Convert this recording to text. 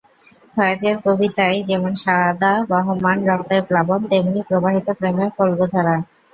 ফয়েজের কবিতায় যেমন সদা বহমান রক্তের প্লাবন, তেমনই প্রবাহিত প্রেমের ফল্গুধারা।